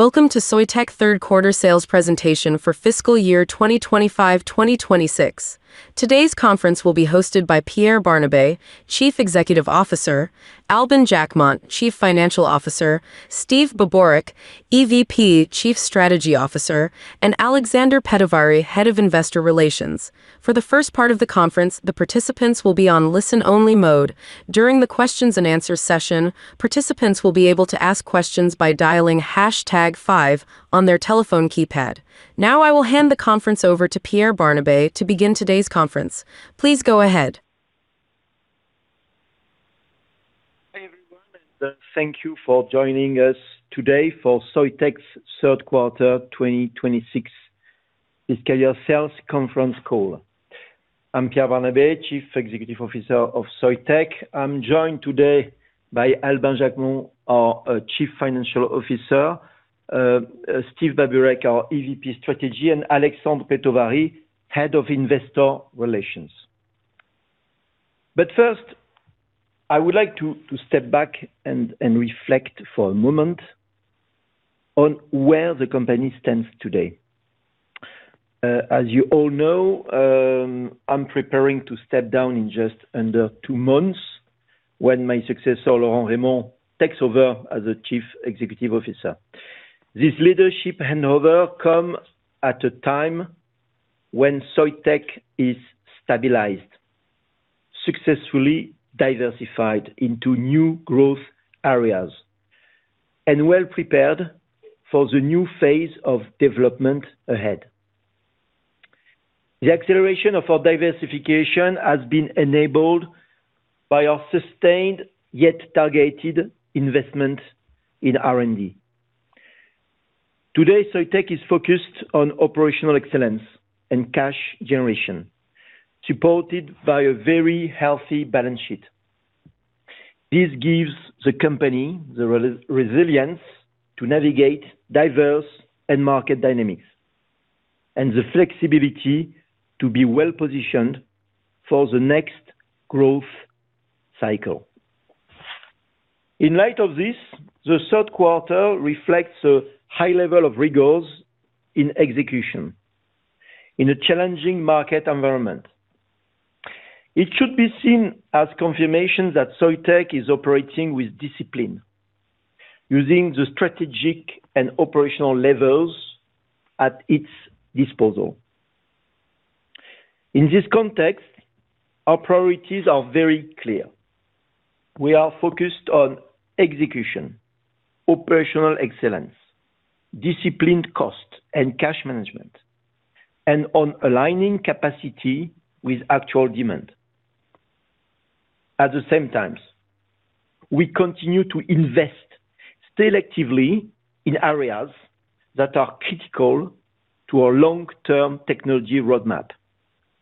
Welcome to Soitec third quarter sales presentation for fiscal year 2025/2026. Today's conference will be hosted by Pierre Barnabé, Chief Executive Officer, Albin Jacquemont, Chief Financial Officer, Steve Babureck, EVP Chief Strategy Officer, and Alexandre Pedovari, Head of Investor Relations. For the first part of the conference, the participants will be on listen-only mode. During the questions and answers session, participants will be able to ask questions by dialing hashtag five on their telephone keypad. Now, I will hand the conference over to Pierre Barnabé to begin today's conference. Please go ahead. Hi, everyone, and thank you for joining us today for Soitec's third quarter 2026 fiscal year sales conference call. I'm Pierre Barnabé, Chief Executive Officer of Soitec. I'm joined today by Albin Jacquemont, our Chief Financial Officer, Steve Babureck, our EVP Strategy, and Alexandre Pedovari, Head of Investor Relations. But first, I would like to step back and reflect for a moment on where the company stands today. As you all know, I'm preparing to step down in just under 2 months when my successor, Laurent Rémont, takes over as the Chief Executive Officer. This leadership handover come at a time when Soitec is stabilized, successfully diversified into new growth areas, and well-prepared for the new phase of development ahead. The acceleration of our diversification has been enabled by our sustained, yet targeted investment in R&D. Today, Soitec is focused on operational excellence and cash generation, supported by a very healthy balance sheet. This gives the company the resilience to navigate diverse market dynamics, and the flexibility to be well-positioned for the next growth cycle. In light of this, the third quarter reflects a high level of rigor in execution in a challenging market environment. It should be seen as confirmation that Soitec is operating with discipline, using the strategic and operational levers at its disposal. In this context, our priorities are very clear. We are focused on execution, operational excellence, disciplined cost and cash management, and on aligning capacity with actual demand. At the same time, we continue to invest selectively in areas that are critical to our long-term technology roadmap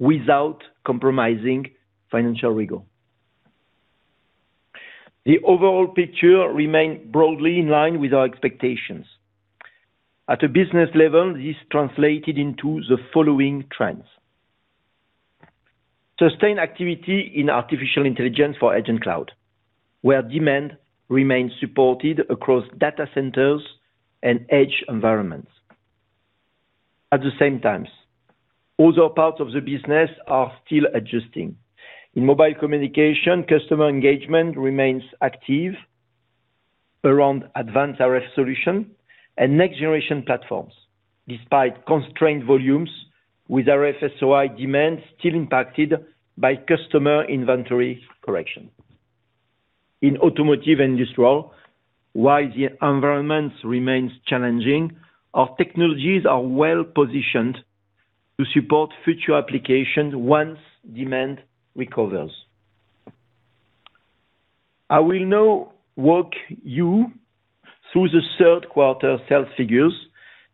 without compromising financial rigor. The overall picture remained broadly in line with our expectations. At a business level, this translated into the following trends: Sustained activity in artificial intelligence for edge and cloud, where demand remains supported across data centers and edge environments. At the same time, other parts of the business are still adjusting. In mobile communication, customer engagement remains active around advanced RF solution and next-generation platforms, despite constrained volumes with RF-SOI demand still impacted by customer inventory correction. In automotive and industrial, while the environment remains challenging, our technologies are well-positioned to support future applications once demand recovers. I will now walk you through the third quarter sales figures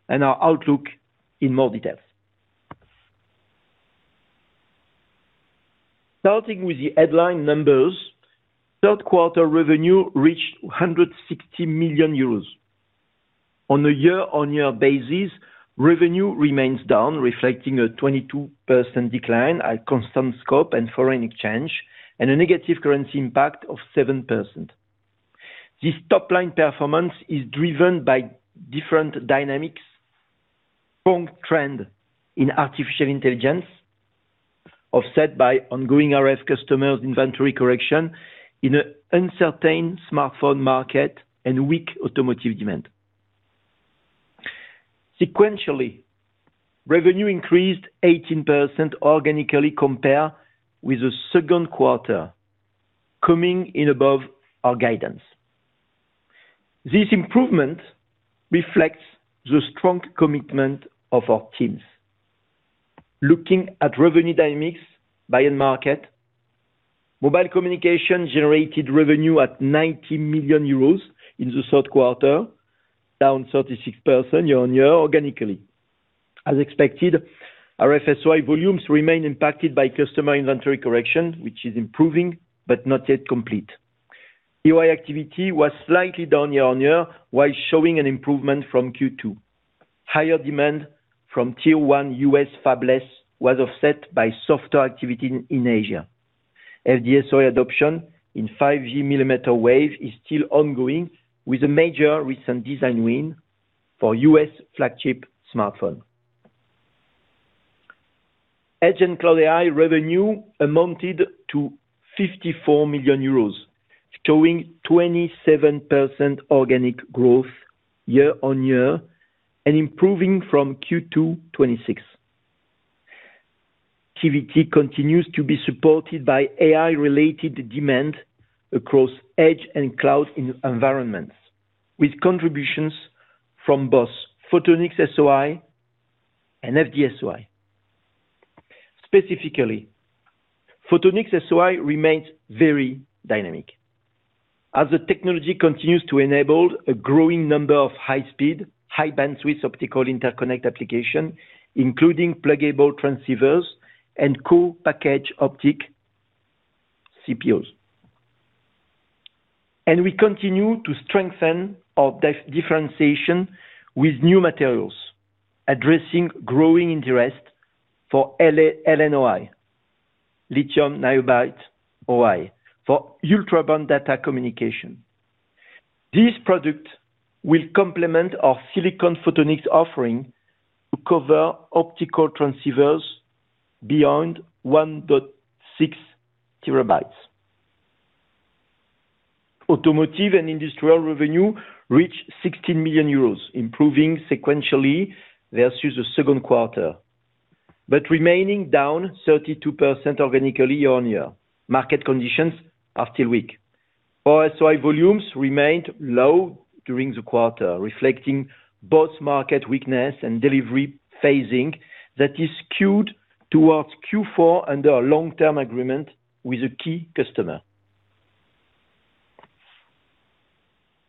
and our outlook in more detail. Starting with the headline numbers, third quarter revenue reached 160 million euros. On a year-on-year basis, revenue remains down, reflecting a 22% decline at constant scope and foreign exchange, and a negative currency impact of 7%. This top-line performance is driven by different dynamics, strong trend in artificial intelligence, offset by ongoing RF customers inventory correction in an uncertain smartphone market and weak automotive demand. Sequentially, revenue increased 18% organically compared with the second quarter, coming in above our guidance. This improvement reflects the strong commitment of our teams. Looking at revenue dynamics by end market, mobile communication generated revenue at 90 million euros in the third quarter, down 36% year-over-year organically. As expected, RF-SOI volumes remain impacted by customer inventory correction, which is improving but not yet complete. 5G activity was slightly down year-over-year, while showing an improvement from Q2. Higher demand from tier one US fabless was offset by softer activity in Asia. FD-SOI adoption in 5G millimeter wave is still ongoing, with a major recent design win for US flagship smartphone. Edge and Cloud AI revenue amounted to 54 million euros, showing 27% organic growth year-on-year and improving from Q2 2026. Activity continues to be supported by AI-related demand across edge and cloud environments, with contributions from both Photonics-SOI and FD-SOI. Specifically, Photonics-SOI remains very dynamic. As the technology continues to enable a growing number of high-speed, high-bandwidth optical interconnect applications, including pluggable transceivers and co-packaged optics CPOs. And we continue to strengthen our differentiation with new materials, addressing growing interest for LNOI, lithium niobate on insulator, for ultra-wideband data communication. This product will complement our silicon photonics offering to cover optical transceivers beyond 1.6 terabits. Automotive and industrial revenue reached 16 million euros, improving sequentially versus the second quarter, but remaining down 32% organically year-on-year. Market conditions are still weak. Our SOI volumes remained low during the quarter, reflecting both market weakness and delivery phasing that is skewed towards Q4 under a long-term agreement with a key customer.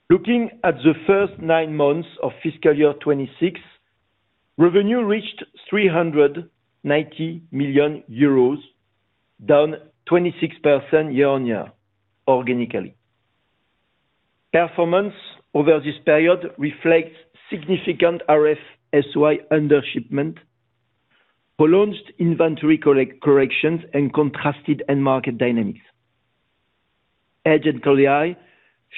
Looking at the first nine months of fiscal year 2026, revenue reached 390 million euros, down 26% year-on-year, organically. Performance over this period reflects significant RF-SOI undershipment, prolonged inventory corrections, and contrasted end market dynamics. Edge and Cloud AI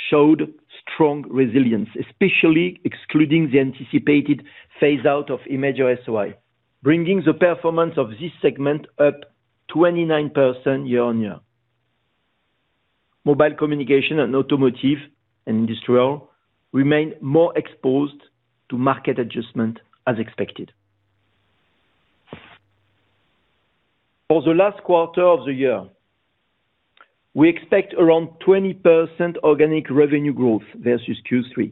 showed strong resilience, especially excluding the anticipated phase out of Imager-SOI, bringing the performance of this segment up 29% year-on-year. Mobile communication and automotive and industrial remain more exposed to market adjustment as expected. For the last quarter of the year, we expect around 20% organic revenue growth versus Q3.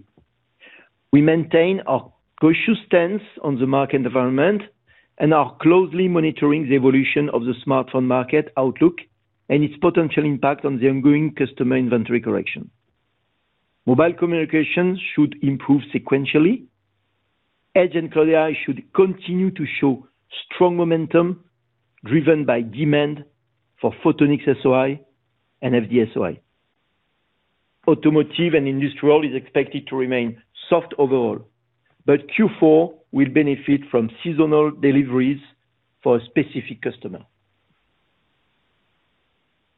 We maintain our cautious stance on the market environment and are closely monitoring the evolution of the smartphone market outlook and its potential impact on the ongoing customer inventory correction. Mobile communications should improve sequentially. Edge and Cloud AI should continue to show strong momentum, driven by demand for Photonics-SOI and FD-SOI. Automotive and industrial is expected to remain soft overall, but Q4 will benefit from seasonal deliveries for a specific customer.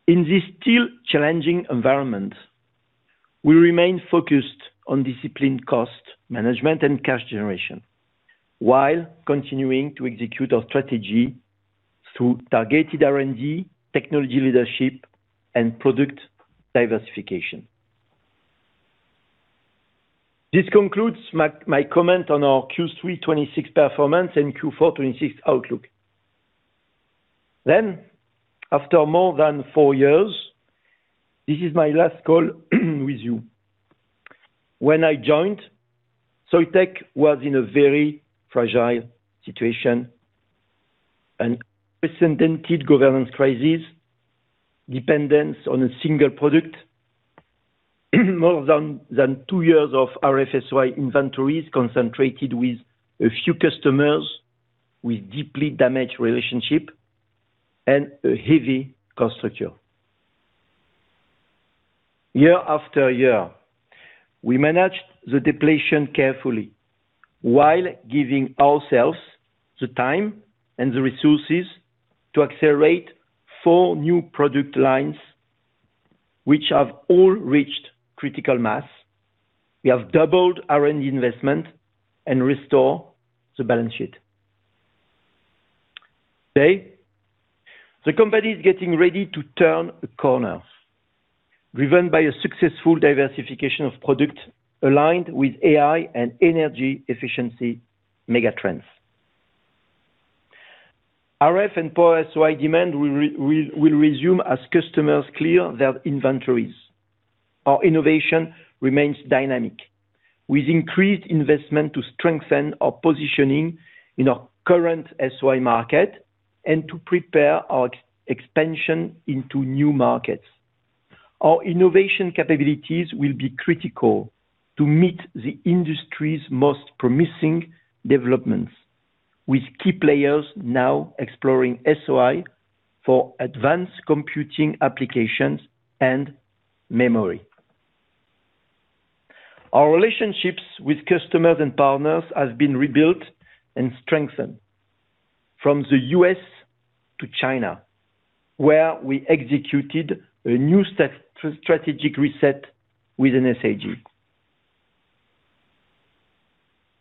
In this still challenging environment, we remain focused on disciplined cost management and cash generation, while continuing to execute our strategy through targeted R&D, technology leadership, and product diversification. This concludes my comment on our Q3 2026 performance and Q4 2026 outlook. Then, after more than four years, this is my last call with you. When I joined, Soitec was in a very fragile situation, an unprecedented governance crisis, dependence on a single product, more than two years of RF-SOI inventories concentrated with a few customers, with deeply damaged relationship and a heavy cost structure. Year after year, we managed the depletion carefully, while giving ourselves the time and the resources to accelerate four new product lines, which have all reached critical mass. We have doubled R&D investment and restore the balance sheet. Today, the company is getting ready to turn a corner, driven by a successful diversification of product aligned with AI and energy efficiency megatrends. RF and Power-SOI demand will resume as customers clear their inventories. Our innovation remains dynamic, with increased investment to strengthen our positioning in our current SOI market and to prepare our expansion into new markets. Our innovation capabilities will be critical to meet the industry's most promising developments, with key players now exploring SOI for advanced computing applications and memory. Our relationships with customers and partners has been rebuilt and strengthened from the US to China, where we executed a new set strategic reset with NSIG.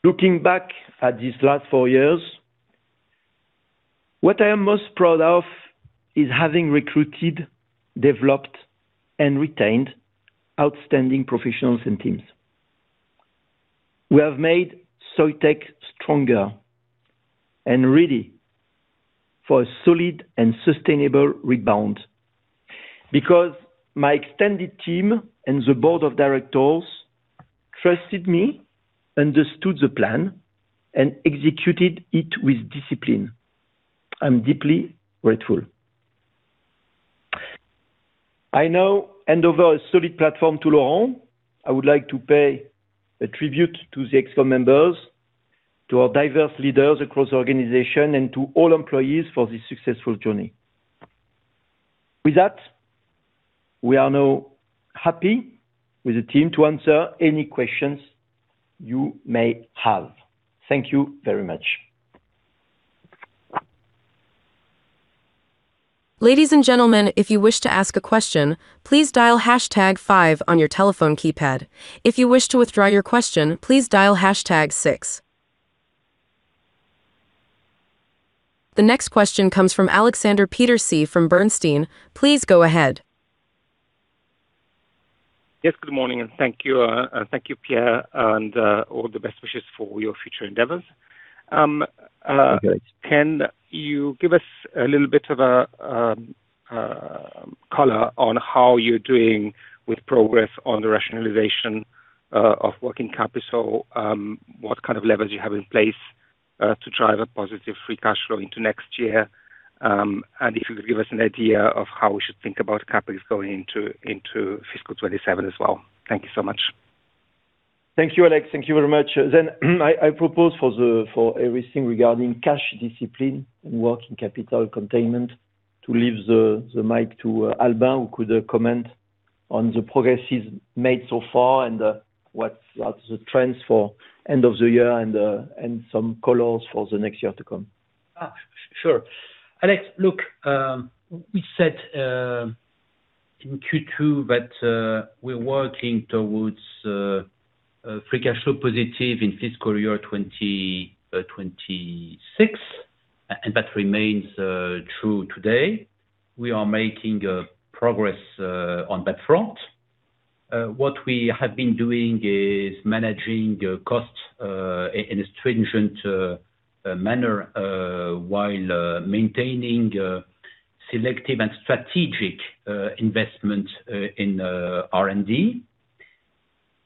Looking back at these last four years, what I am most proud of is having recruited, developed, and retained outstanding professionals and teams. We have made Soitec stronger and ready for a solid and sustainable rebound, because my extended team and the board of directors trusted me, understood the plan, and executed it with discipline. I'm deeply grateful. I now hand over a solid platform to Laurent. I would like to pay a tribute to the ExCom members, to our diverse leaders across the organization, and to all employees for this successful journey. With that, we are now happy with the team to answer any questions you may have. Thank you very much. Ladies and gentlemen, if you wish to ask a question, please dial hashtag five on your telephone keypad. If you wish to withdraw your question, please dial hashtag six. The next question comes from Aleksander Peterc from Bernstein. Please go ahead. Yes, good morning, and thank you, thank you, Pierre, and all the best wishes for your future endeavors. Thank you. Can you give us a little bit of a color on how you're doing with progress on the rationalization of working capital? What kind of levels you have in place to drive a positive free cash flow into next year? And if you could give us an idea of how we should think about capital going into fiscal 2027 as well. Thank you so much. Thank you, Alex. Thank you very much. Then, I propose for everything regarding cash discipline and working capital containment, to leave the mic to Albin, who could comment on the progress he's made so far and what's the trends for end of the year and some colors for the next year to come. Ah, sure. Alex, look, we said in Q2 that we're working towards free cash flow positive in fiscal year 2026, and that remains true today. We are making progress on that front. What we have been doing is managing costs in a stringent manner while maintaining selective and strategic investment in R&D.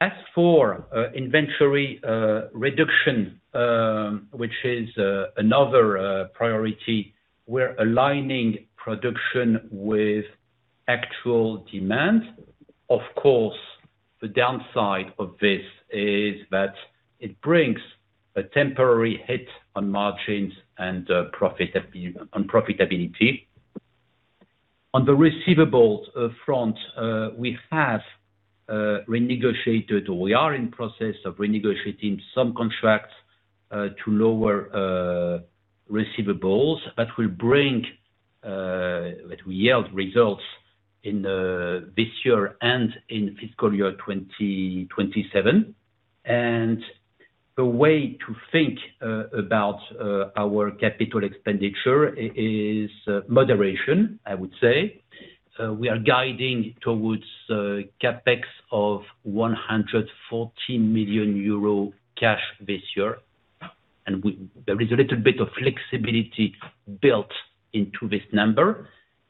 As for inventory reduction, which is another priority, we're aligning production with actual demand. Of course, the downside of this is that it brings a temporary hit on margins and profitability. On the receivables front, we have renegotiated, or we are in process of renegotiating some contracts to lower receivables, that will bring that yield results in this year and in fiscal year 2027. The way to think about our capital expenditure is moderation, I would say. We are guiding towards CapEx of 114 million euro cash this year, and we—there is a little bit of flexibility built into this number,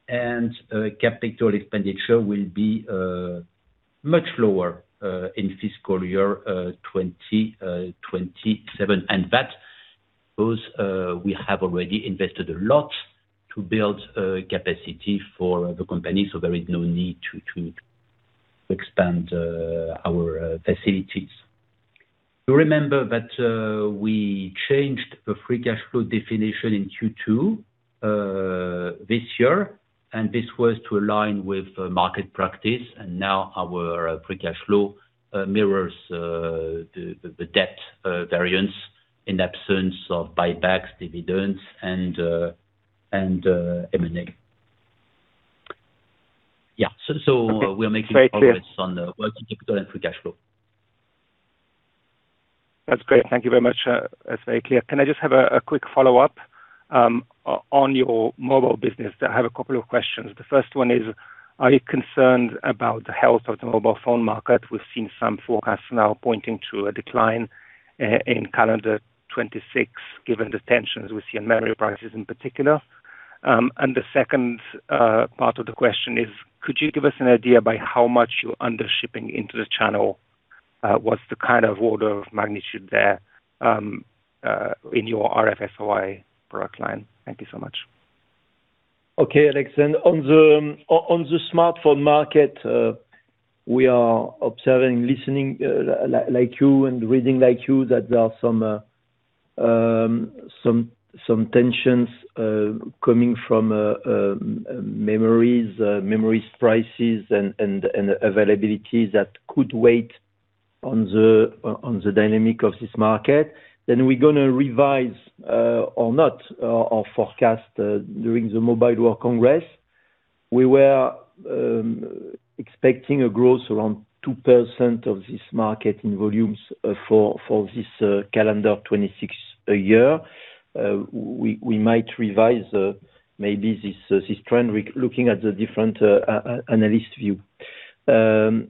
and capital expenditure will be much lower in fiscal year 2027. And that was, we have already invested a lot to build capacity for the company, so there is no need to expand our facilities. You remember that we changed the free cash flow definition in Q2 this year, and this was to align with the market practice, and now our free cash flow mirrors the debt variance in the absence of buybacks, dividends, and M&A. Yeah, so we're making- Okay, very clear. progress on working capital and free cash flow. That's great. Thank you very much. That's very clear. Can I just have a quick follow-up on your mobile business? I have a couple of questions. The first one is: Are you concerned about the health of the mobile phone market? We've seen some forecasts now pointing to a decline in calendar 2026, given the tensions we see in memory prices in particular. And the second part of the question is: Could you give us an idea by how much you're under shipping into the channel? What's the kind of order of magnitude there in your RF-SOI product line? Thank you so much. Okay, Alex, and on the smartphone market, we are observing, listening, like you and reading like you, that there are some tensions coming from memories prices and availabilities that could weigh on the dynamic of this market. Then we're gonna revise or not our forecast during the Mobile World Congress. We were expecting a growth around 2% of this market in volumes for this calendar 2026 year. We might revise maybe this trend looking at the different analyst view. That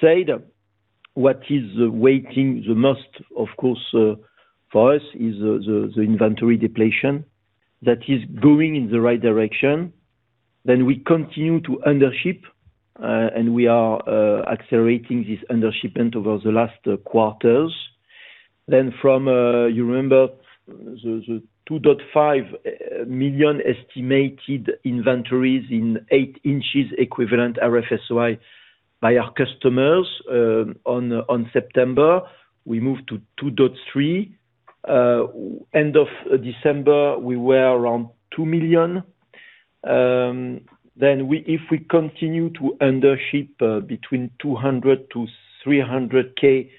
said, what is weighing the most, of course, for us, is the inventory depletion that is going in the right direction. Then we continue to undership, and we are accelerating this undershipment over the last quarters. Then from, you remember the 2.5 million estimated inventories in 8 inches equivalent RF-SOI by our customers, on September, we moved to 2.3. End of December, we were around 2 million. Then if we continue to undership between 200-300K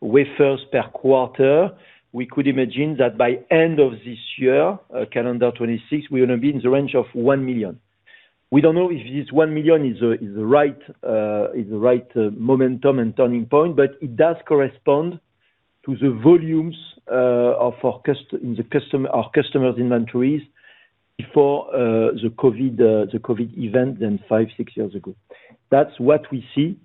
wafers per quarter, we could imagine that by end of this year, calendar 2026, we're gonna be in the range of 1 million. We don't know if this 1 million is the right momentum and turning point, but it does correspond to the volumes of our customer's inventories before the COVID event than 5-6 years ago. That's what we see.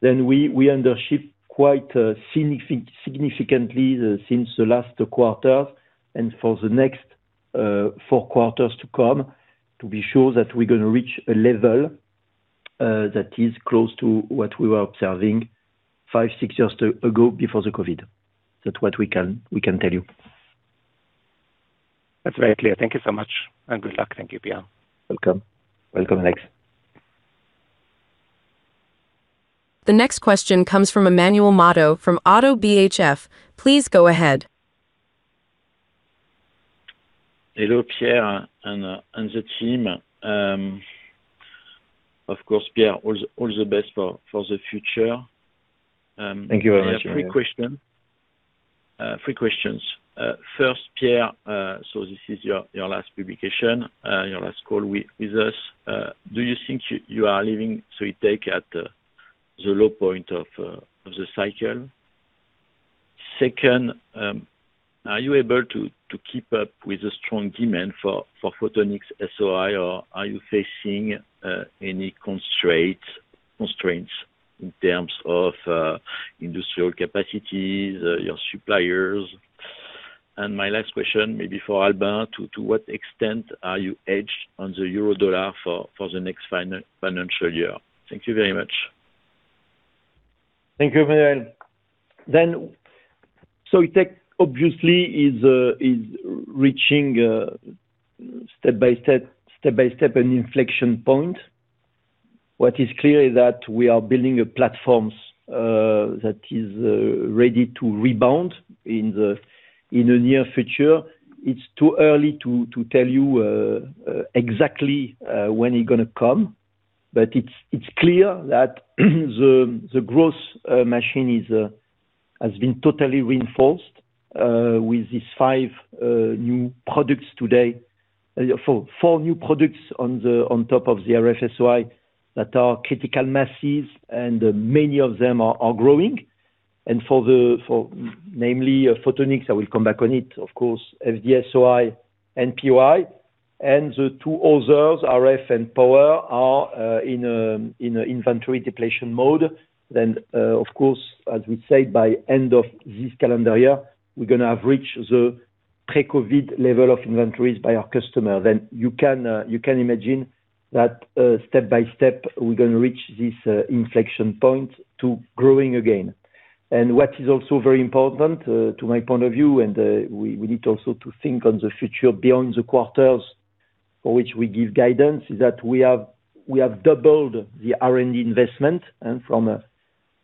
Then we undershipped quite significantly since the last quarter, and for the next four quarters to come, to be sure that we're gonna reach a level that is close to what we were observing five, six years ago before the COVID. That's what we can tell you. That's very clear. Thank you so much, and good luck. Thank you, Pierre. Welcome. Welcome, Alex. The next question comes from Emmanuel Matot from ODDO BHF. Please go ahead. Hello, Pierre and the team. Of course, Pierre, all the best for the future. Thank you very much. I have three question, three questions. First, Pierre, so this is your, your last publication, your last call with, with us. Do you think you, you are leaving Soitec at the, the low point of, of the cycle? Second, are you able to, to keep up with the strong demand for, for Photonics-SOI, or are you facing, any constraints, constraints in terms of, industrial capacities, your suppliers? And my last question, maybe for Albin, to, to what extent are you hedged on the euro-dollar for, for the next financial year? Thank you very much. Thank you, Emmanuel. Then, Soitec obviously is reaching step by step, step by step, an inflection point. What is clear is that we are building a platform that is ready to rebound in the near future. It's too early to tell you exactly when it gonna come, but it's clear that the growth machine has been totally reinforced with these 5 new products today. 4 new products on top of the RF-SOI, that are critical masses, and many of them are growing. And namely, Photonics, I will come back on it, of course, FD-SOI and POI, and the two others, RF and Power, are in an inventory depletion mode. Then, of course, as we said, by end of this calendar year, we're gonna have reached the pre-COVID level of inventories by our customer. Then you can, you can imagine that, step by step, we're gonna reach this, inflection point to growing again. And what is also very important, to my point of view, and, we, we need to also to think on the future beyond the quarters, for which we give guidance, is that we have, we have doubled the R&D investment, and from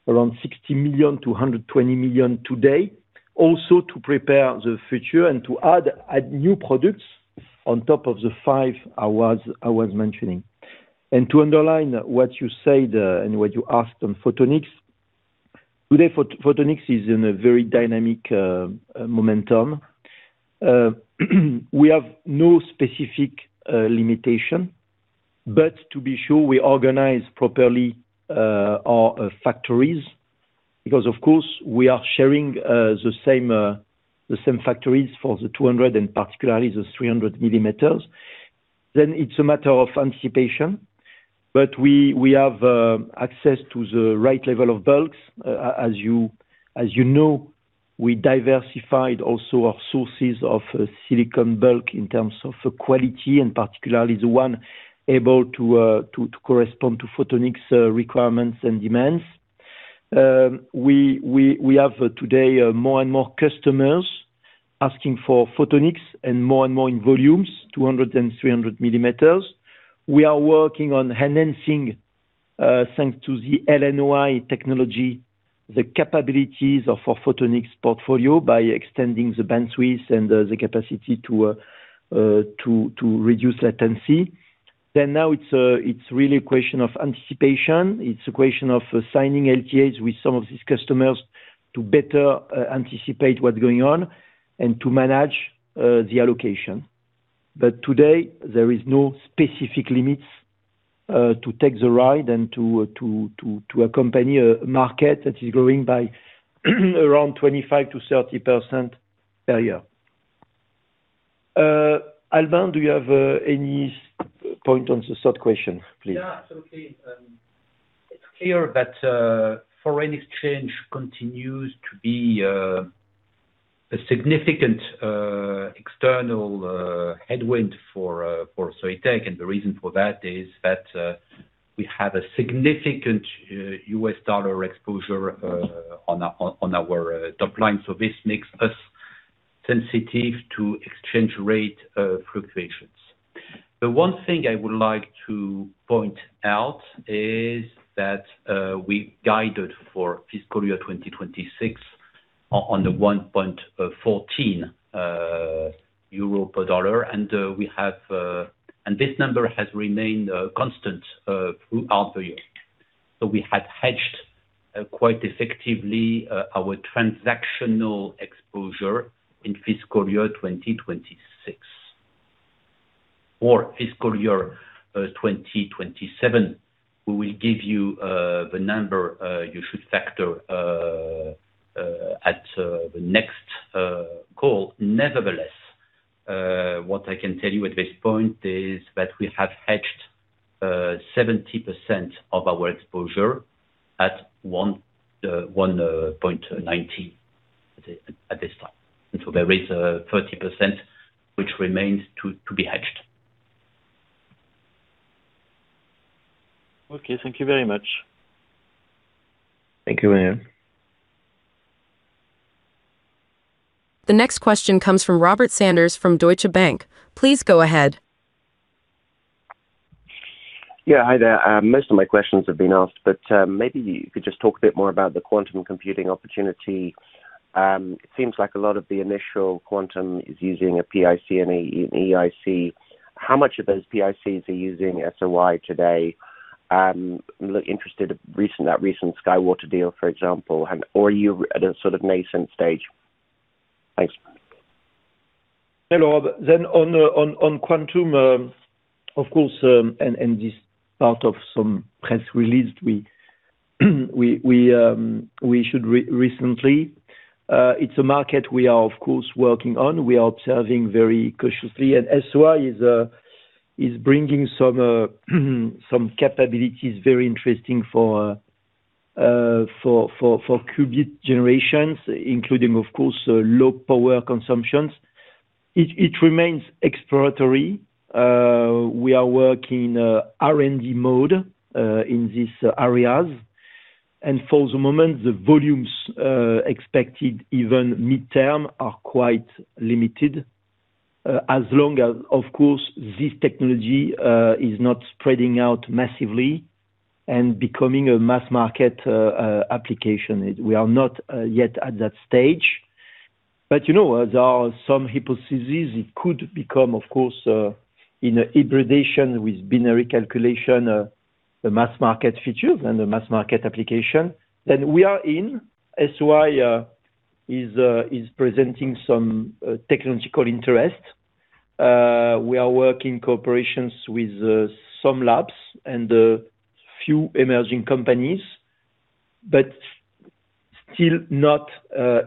around 60 million to 120 million today. Also, to prepare the future and to add, add new products on top of the five I was, I was mentioning. And to underline what you said, and what you asked on Photonics. Today, Photonics is in a very dynamic momentum. We have no specific limitation, but to be sure, we organize properly our factories, because of course, we are sharing the same factories for the 200 and particularly the 300 millimeters. Then it's a matter of anticipation. But we have access to the right level of bulks. As you know, we diversified also our sources of silicon bulk in terms of the quality, and particularly the one able to correspond to Photonics' requirements and demands. We have today more and more customers asking for Photonics and more and more in volumes, 200 and 300 millimeters. We are working on enhancing-... Thanks to the LNOI technology, the capabilities of our photonics portfolio by extending the bandwidth and the capacity to reduce latency. Then now it's really a question of anticipation. It's a question of signing LTAs with some of these customers to better anticipate what's going on and to manage the allocation. But today, there is no specific limits to take the ride and to accompany a market that is growing by around 25%-30% per year. Albin, do you have any point on the third question, please? Yeah, absolutely. It's clear that foreign exchange continues to be a significant external headwind for Soitec. And the reason for that is that we have a significant US dollar exposure on our top line. So this makes us sensitive to exchange rate fluctuations. The one thing I would like to point out is that we guided for fiscal year 2026 on the 1.14 euro per dollar, and this number has remained constant throughout the year. So we had hedged quite effectively our transactional exposure in fiscal year 2026 or fiscal year 2027. We will give you the number you should factor at the next call. Nevertheless, what I can tell you at this point is that we have hedged 70% of our exposure at 1.90 at this time. And so there is 30%, which remains to be hedged. Okay. Thank you very much. Thank you, William. The next question comes from Robert Sanders from Deutsche Bank. Please go ahead. Yeah. Hi there. Most of my questions have been asked, but maybe you could just talk a bit more about the quantum computing opportunity. It seems like a lot of the initial quantum is using a PIC and an EIC. How much of those PICs are using SOI today? Look at that recent SkyWater deal, for example, and are you at a sort of nascent stage? Thanks. Hello, then on quantum, of course, and this part of some press release we issued recently. It's a market we are, of course, working on. We are observing very cautiously, and SOI is bringing some capabilities very interesting for qubit generations, including, of course, low power consumptions. It remains exploratory. We are working R&D mode in these areas. And for the moment, the volumes expected, even midterm, are quite limited, as long as, of course, this technology is not spreading out massively and becoming a mass market application. We are not yet at that stage. But, you know, there are some hypotheses it could become, of course, in a hybridization with binary calculation, the mass market features and the mass market application. Then we are in SOI is presenting some technological interest. We are working in cooperation with some labs and a few emerging companies, but still not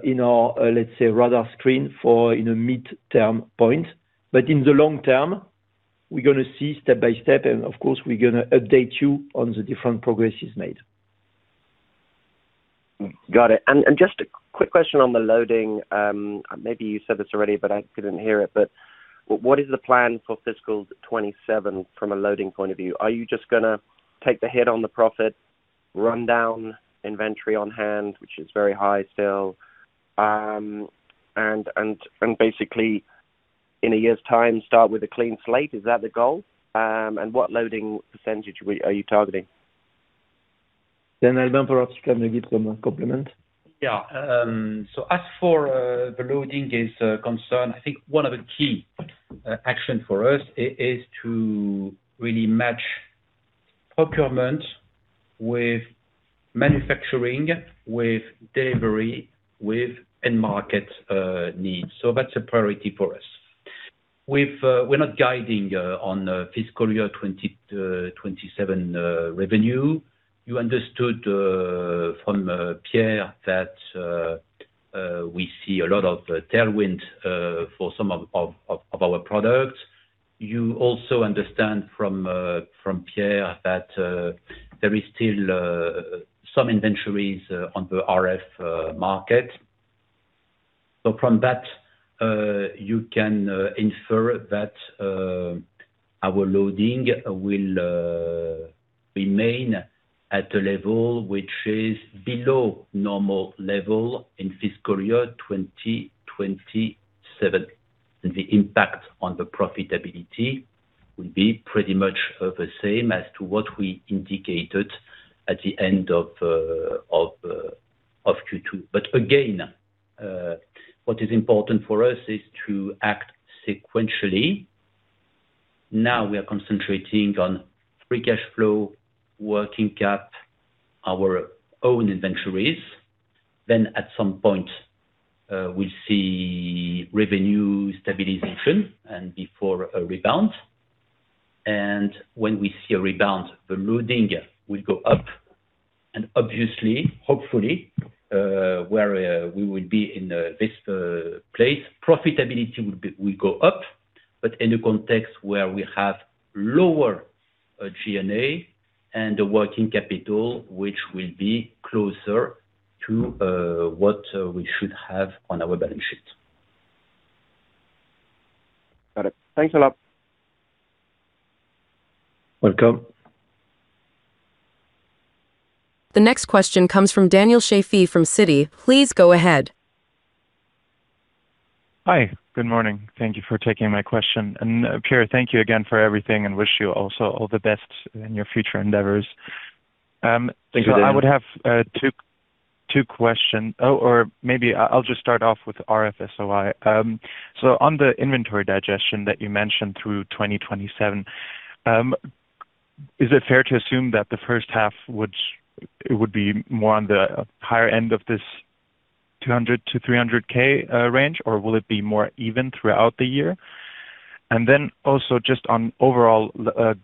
in our, let's say, radar screen for in a midterm point. But in the long term, we're gonna see step by step, and of course, we're gonna update you on the different progresses made. Got it. And just a quick question on the loading. Maybe you said this already, but I couldn't hear it. But what is the plan for fiscal 2027 from a loading point of view? Are you just gonna take the hit on the profit, run down inventory on hand, which is very high still, and basically in a year's time start with a clean slate? Is that the goal? And what loading percentage are you targeting? Albin, perhaps you can maybe complement. Yeah. So as far as the loading is concerned, I think one of the key action for us is to really match procurement with manufacturing, with delivery, with end market needs. So that's a priority for us. We're not guiding on fiscal year 2027 revenue. You understood from Pierre that we see a lot of tailwind for some of our products. You also understand from Pierre that there is still some inventories on the RF market. So from that you can infer that our loading will remain at a level which is below normal level in fiscal year 2027. And the impact on the profitability will be pretty much the same as to what we indicated at the end of Q2. But again, what is important for us is to act sequentially. Now we are concentrating on free cash flow, working cap, our own inventories. Then at some point, we see revenue stabilization and before a rebound. And when we see a rebound, the loading will go up, and obviously, hopefully, where we will be in this place, profitability will be, will go up. But in a context where we have lower G&A and a working capital, which will be closer to what we should have on our balance sheet. Got it. Thanks a lot. Welcome. The next question comes from Daniel Shafee from Citi. Please go ahead. Hi, good morning. Thank you for taking my question. Pierre, thank you again for everything, and wish you also all the best in your future endeavors. Thank you, Daniel. So I would have two questions, or maybe I'll just start off with RF-SOI. So on the inventory digestion that you mentioned through 2027, is it fair to assume that the first half, which it would be more on the higher end of this 200-300K range, or will it be more even throughout the year? And then also just on overall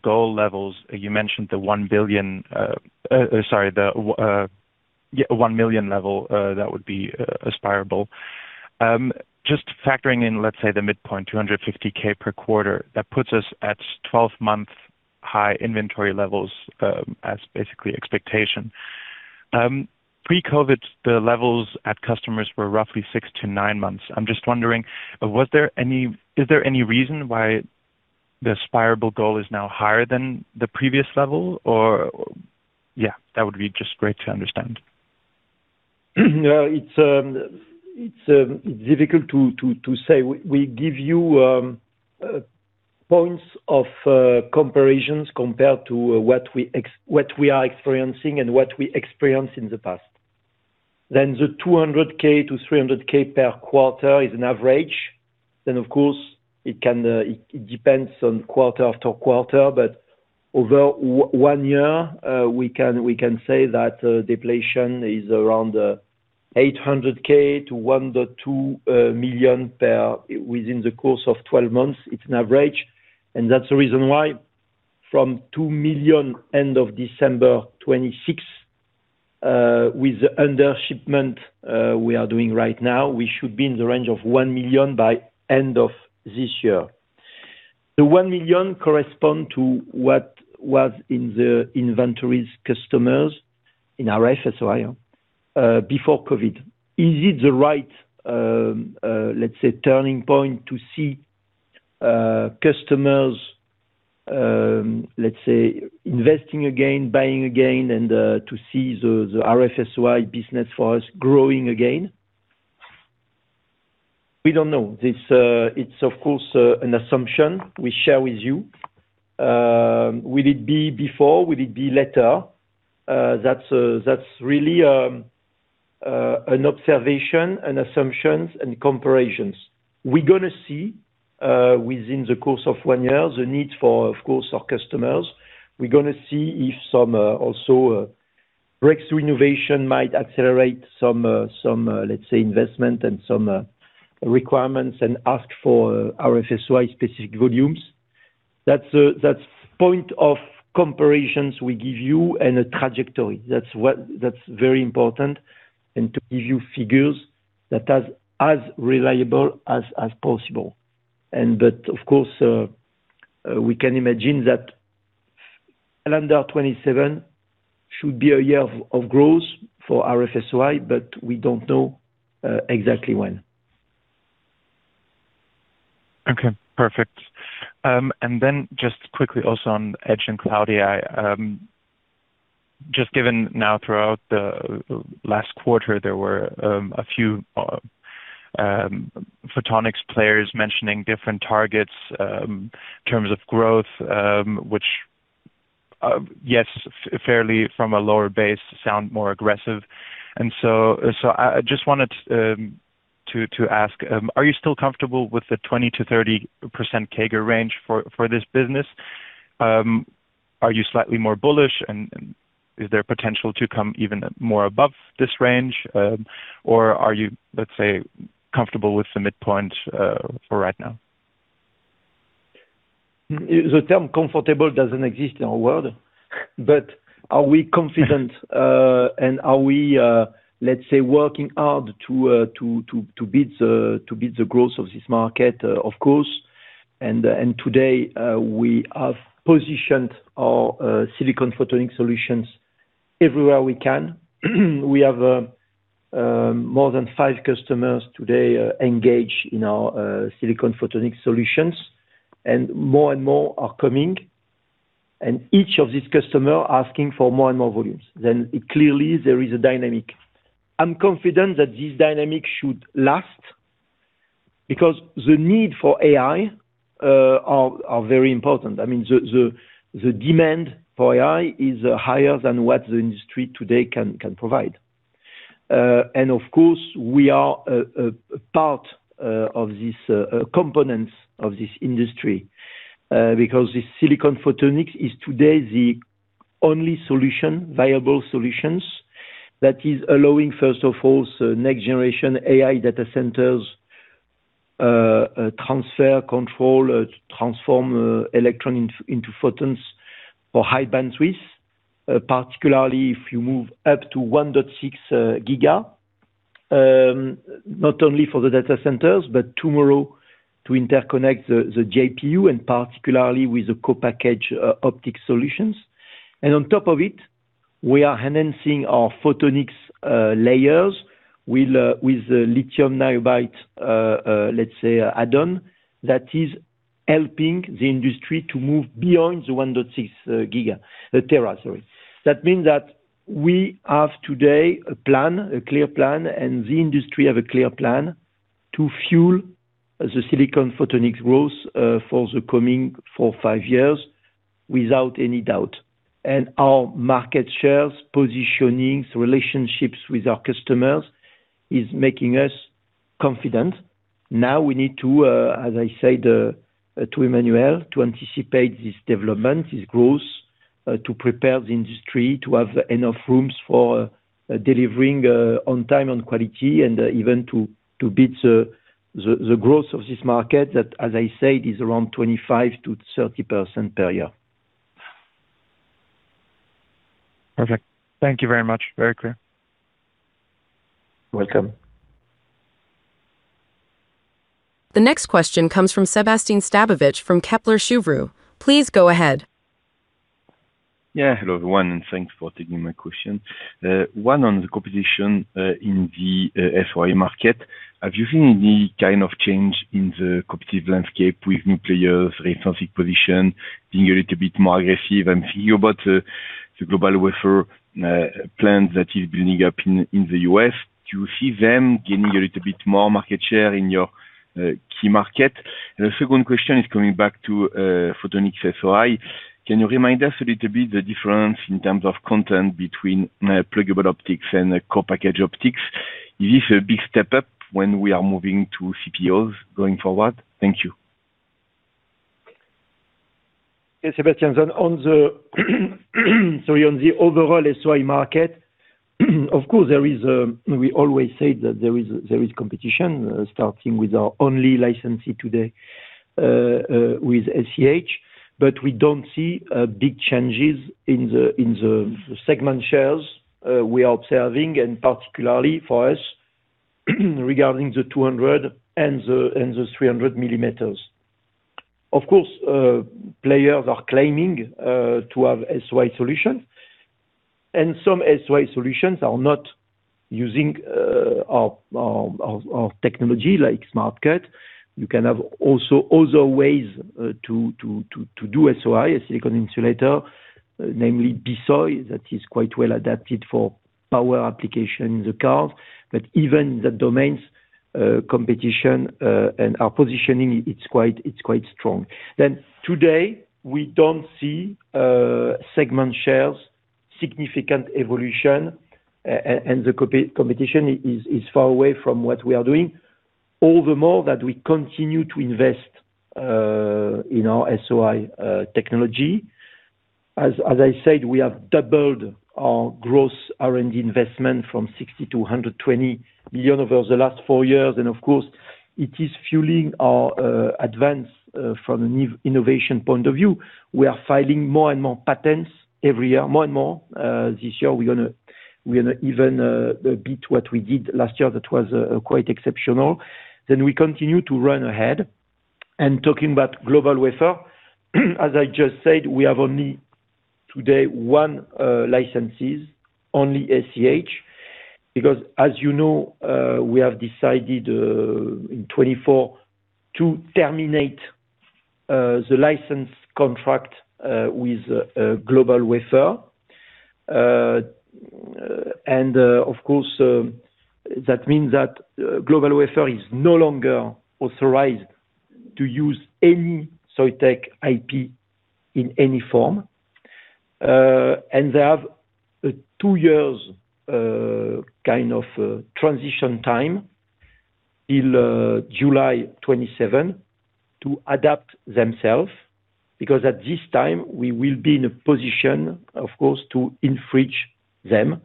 goal levels, you mentioned the 1 million level that would be aspirational. Just factoring in, let's say, the midpoint, 250K per quarter, that puts us at 12-month high inventory levels as basically expectation. Pre-COVID, the levels at customers were roughly 6-9 months. I'm just wondering, is there any reason why the aspirational goal is now higher than the previous level? Or yeah, that would be just great to understand. It's difficult to say. We give you points of comparisons compared to what we are experiencing and what we experienced in the past. Then the 200K-300K per quarter is an average, then of course, it can, it depends on quarter after quarter, but over one year, we can say that depletion is around 800K-1.2 million per within the course of twelve months. It's an average, and that's the reason why from 2 million end of December 2026, with the under-shipment we are doing right now, we should be in the range of 1 million by end of this year. The 1 million correspond to what was in the inventories customers in RF-SOI before COVID. Is it the right, let's say, turning point to see customers, let's say, investing again, buying again, and to see the RF-SOI business for us growing again? We don't know. This, it's of course an assumption we share with you. Will it be before? Will it be later? That's really an observation, an assumptions, and comparisons. We're gonna see within the course of one year the need for, of course, our customers. We're gonna see if some also breaks to innovation might accelerate some, some, let's say, investment and some requirements, and ask for RF-SOI specific volumes. That's that's point of comparisons we give you and a trajectory. That's what... That's very important, and to give you figures that are as reliable as possible. But of course, we can imagine that calendar 27 should be a year of growth for RF-SOI, but we don't know exactly when. Okay, perfect. And then just quickly also on edge and cloudy, I just given now throughout the last quarter, there were a few photonics players mentioning different targets in terms of growth, which yes, fairly from a lower base, sound more aggressive. And so I just wanted to ask, are you still comfortable with the 20%-30% CAGR range for this business? Are you slightly more bullish, and is there potential to come even more above this range, or are you, let's say, comfortable with the midpoint for right now? The term comfortable doesn't exist in our world. But are we confident, and are we, let's say, working hard to build the growth of this market? Of course. And today, we have positioned our silicon photonic solutions everywhere we can. We have more than five customers today engaged in our silicon photonic solutions, and more and more are coming.... And each of these customer asking for more and more volumes, then it clearly there is a dynamic. I'm confident that this dynamic should last, because the need for AI are very important. I mean, the demand for AI is higher than what the industry today can provide. And of course, we are part of this components of this industry, because the silicon photonics is today the only solution, viable solutions, that is allowing, first of all, for next generation AI data centers, transfer control, to transform, electron into photons for high bandwidth. Particularly if you move up to 1.6 giga. Not only for the data centers, but tomorrow to interconnect the GPU, and particularly with the co-packaged optic solutions. And on top of it, we are enhancing our photonics layers with the lithium niobate, let's say, add-on, that is helping the industry to move beyond the 1.6 giga tera, sorry. That means that we have today a plan, a clear plan, and the industry have a clear plan to fuel the silicon photonics growth, for the coming 4-5 years, without any doubt. And our market shares, positionings, relationships with our customers, is making us confident. Now we need to, as I said, to Emmanuel, to anticipate this development, this growth, to prepare the industry to have enough rooms for, delivering, on time, on quality, and, even to build the growth of this market, that, as I said, is around 25%-30% per year. Perfect. Thank you very much. Very clear. Welcome. The next question comes from Sébastien Sztabowicz from Kepler Cheuvreux. Please go ahead. Yeah, hello, everyone, and thanks for taking my question. One, on the competition, in the SOI market, have you seen any kind of change in the competitive landscape with new players, reinforcing position, being a little bit more aggressive and thinking about the GlobalWafers plans that is building up in the US? Do you see them gaining a little bit more market share in your key market? And the second question is coming back to Photonics-SOI. Can you remind us a little bit the difference in terms of content between pluggable optics and the co-packaged optics? Is this a big step up when we are moving to CPOs going forward? Thank you. Yes, Sebastian, on the overall SOI market, of course, there is. We always say that there is competition, starting with our only licensee today, with SEH. But we don't see big changes in the segment shares we are observing, and particularly for us, regarding the 200 and the 300 millimeters. Of course, players are claiming to have SOI solution, and some SOI solutions are not using our technology like Smart Cut. You can have also other ways to do SOI, a silicon insulator, namely BSOI, that is quite well adapted for power application in the cars. But even the domains, competition, and our positioning, it's quite strong. Then today, we don't see segment shares, significant evolution, and the competition is far away from what we are doing. All the more that we continue to invest in our SOI technology. As I said, we have doubled our gross R&D investment from 60 billion to 120 billion over the last 4 years, and of course, it is fueling our advance from an innovation point of view. We are filing more and more patents every year, more and more. This year we're gonna even beat what we did last year. That was quite exceptional. Then we continue to run ahead. And talking about GlobalWafers, as I just said, we have only today one licensees, only SEH. Because, as you know, we have decided, in 2024, to terminate, the license contract, with, GlobalWafers. And, of course, that means that, GlobalWafers is no longer authorized to use any Soitec IP in any form. And they have a two years, kind of, transition time in, July 2027, to adapt themselves, because at this time we will be in a position, of course, to infringe them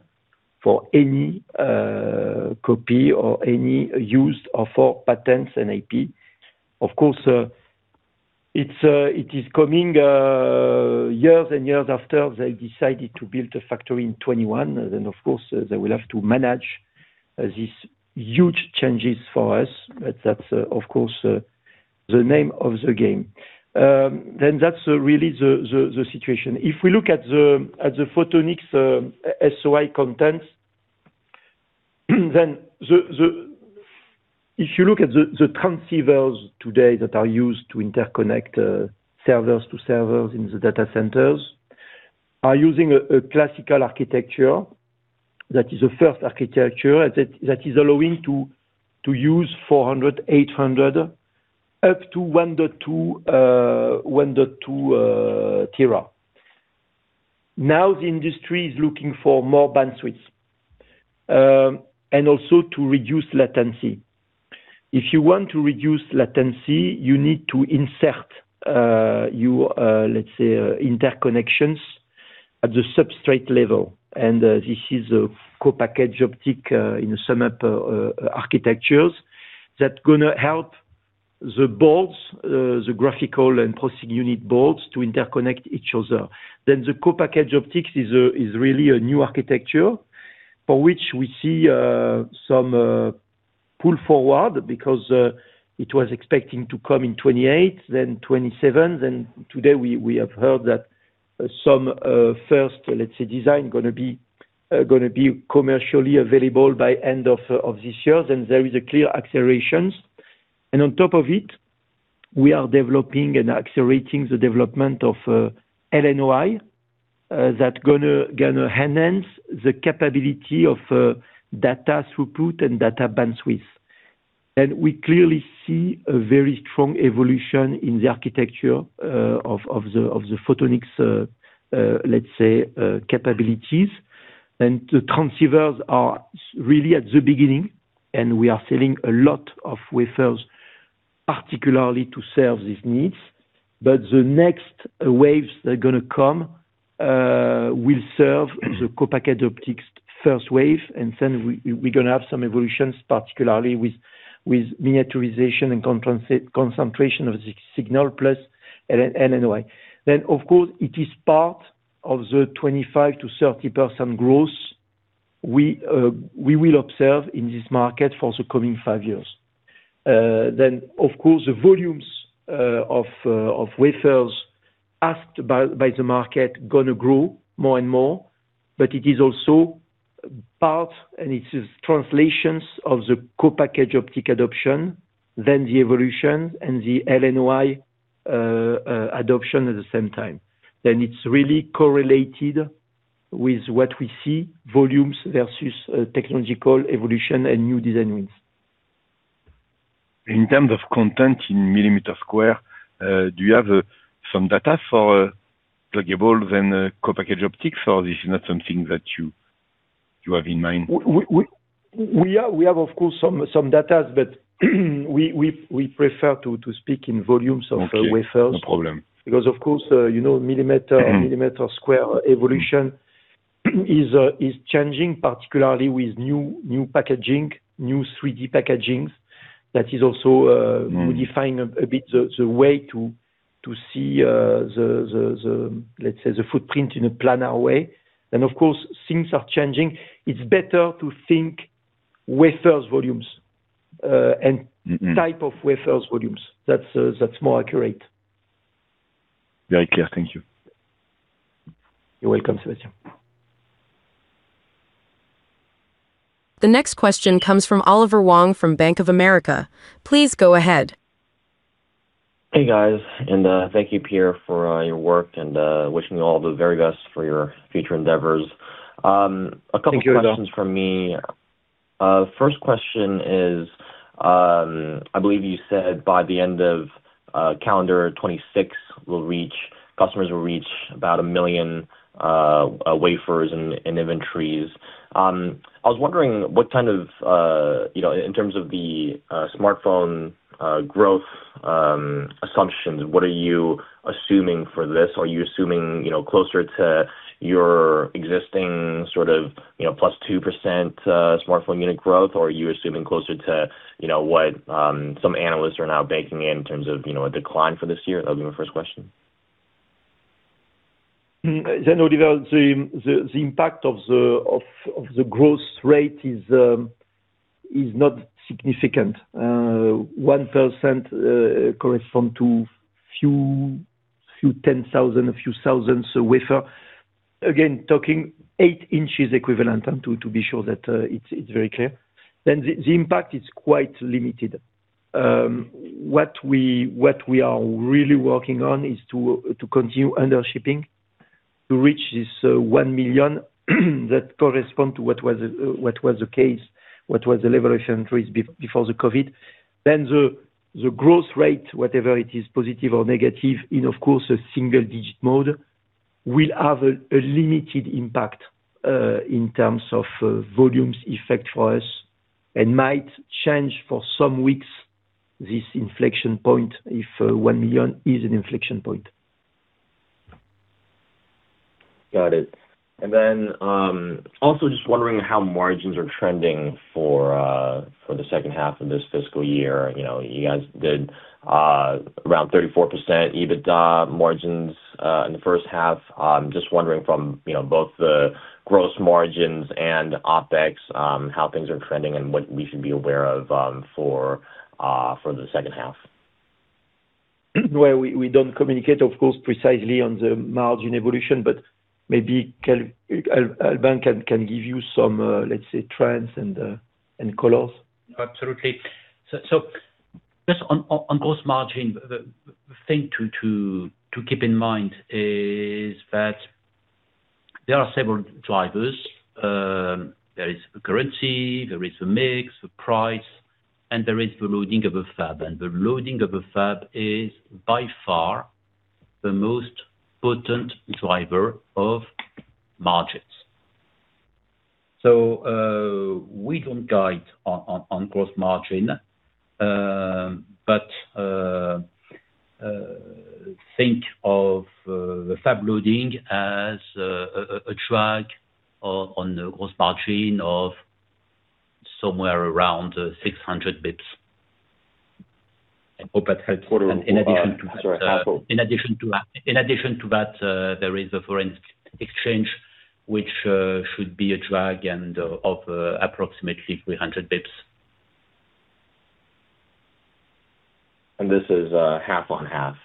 for any, copy or any use of our patents and IP. Of course, it is coming, years and years after they've decided to build a factory in 2021, and then, of course, they will have to manage, these huge changes for us. But that's, of course, the name of the game. Then that's, really the situation. If we look at the, at the Photonics-SOI content. Then if you look at the transceivers today that are used to interconnect servers to servers in the data centers, are using a classical architecture that is a first architecture that is allowing to use 400, 800, up to 1.2, 1.2 tera. Now the industry is looking for more bandwidth. And also to reduce latency. If you want to reduce latency, you need to insert, let's say, interconnections at the substrate level. And this is a co-packaged optics in some architectures, that gonna help the boards, the graphics processing unit boards to interconnect each other. Then the co-packaged optics is, is really a new architecture, for which we see, some, pull forward, because, it was expecting to come in 2028, then 2027s, and today we, we have heard that, some, first, let's say, design gonna be, gonna be commercially available by end of, of this year. Then there is a clear accelerations. And on top of it, we are developing and accelerating the development of, LNOI, that gonna, gonna enhance the capability of, data throughput and data bandwidth. And we clearly see a very strong evolution in the architecture, of, of the, of the photonics, let's say, capabilities. And the transceivers are really at the beginning, and we are selling a lot of wafers, particularly to serve these needs. But the next waves that are gonna come will serve the co-packaged optics first wave, and then we're gonna have some evolutions, particularly with miniaturization and concentration of the signal, plus LNOI. Then, of course, it is part of the 25%-30% growth we will observe in this market for the coming five years. Then, of course, the volumes of wafers asked by the market gonna grow more and more, but it is also part, and it is translations of the co-packaged optic adoption, then the evolution and the LNOI adoption at the same time. Then it's really correlated with what we see, volumes versus technological evolution and new design wins. In terms of content in millimeter square, do you have some data for pluggable and co-packaged optics, or this is not something that you have in mind? We have, of course, some data, but we prefer to speak in volumes of- Okay. - wafers. No problem. Because, of course, you know, millimeter- Mm-hmm. - Millimeter wave evolution is, is changing, particularly with new, new packaging, new 3D packagings. That is also, Mm. modifying a bit the way to see the footprint in a planar way. Of course, things are changing. It's better to think wafers volumes, and- Mm-hmm. - type of wafers volumes. That's, that's more accurate. Very clear. Thank you. You're welcome, Sergio. The next question comes from Oliver Wong from Bank of America. Please go ahead. Hey, guys, and thank you, Pierre, for your work and wishing you all the very best for your future endeavors. A couple- Thank you, Oliver. Questions from me. First question is, I believe you said by the end of calendar 2026, we'll reach—customers will reach about 1 million wafers and inventories. I was wondering what kind of, you know, in terms of the smartphone growth assumptions, what are you assuming for this? Are you assuming, you know, closer to your existing sort of, you know, +2% smartphone unit growth, or are you assuming closer to, you know, what some analysts are now baking in, in terms of, you know, a decline for this year? That would be my first question. Then, Oliver, the impact of the growth rate is not significant. 1% correspond to few, few 10,000, a few thousands wafer. Again, talking 8 inches equivalent, to be sure that it's very clear. Then the impact is quite limited. What we are really working on is to continue under shipping, to reach this 1 million, that correspond to what was the case, what was the level of entries before the COVID. Then the growth rate, whatever it is, positive or negative, in of course a single-digit mode, will have a limited impact in terms of volumes effect for us, and might change for some weeks this inflection point, if 1 million is an inflection point. Got it. And then, also just wondering how margins are trending for the second half of this fiscal year. You know, you guys did around 34% EBITDA margins in the first half. Just wondering from, you know, both the gross margins and OpEx, how things are trending and what we should be aware of for the second half?... well, we don't communicate, of course, precisely on the margin evolution, but maybe Albin can give you some, let's say, trends and colors. Absolutely. So just on gross margin, the thing to keep in mind is that there are several drivers. There is currency, there is a mix, a price, and there is the loading of a fab. And the loading of a fab is by far the most potent driver of margins. So we don't guide on gross margin, but think of the fab loading as a drag on the gross margin of somewhere around 600 basis points. I hope that helps. And in addition to that, in addition to that, there is a foreign exchange which should be a drag and of approximately 300 basis points. And this is half on half?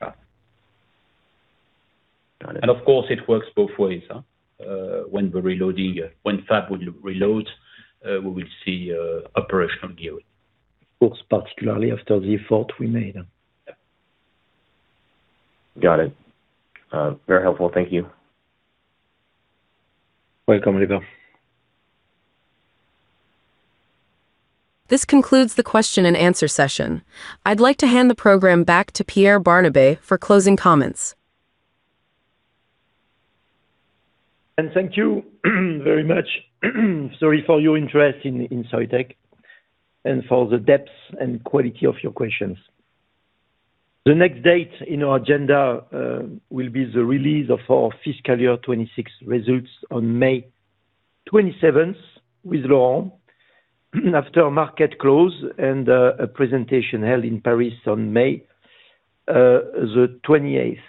Yeah. Got it. Of course, it works both ways, huh? When we're reloading, when fab loading, we will see operational gearing. Works particularly after the effort we made. Yeah. Got it. Very helpful. Thank you. Welcome, Oliver. This concludes the question and answer session. I'd like to hand the program back to Pierre Barnabé for closing comments. Thank you very much, sorry for your interest in Soitec, and for the depth and quality of your questions. The next date in our agenda will be the release of our fiscal year 2026 results on May 27th, with Laurent, after market close, and a presentation held in Paris on May the 28th.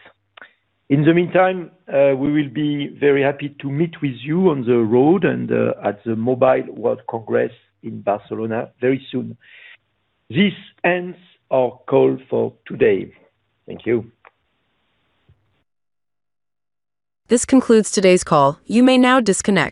In the meantime, we will be very happy to meet with you on the road and at the Mobile World Congress in Barcelona very soon. This ends our call for today. Thank you. This concludes today's call. You may now disconnect.